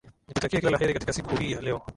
nikutakie kila la heri katika siku hii ya leo